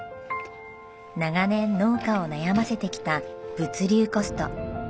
長年農家を悩ませてきた物流コスト。